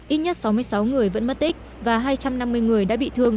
ít nhất sáu mươi sáu người vẫn mất tích và hai trăm năm mươi người đã bị thương